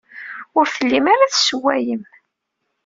Ur tellim ara tessewwayem.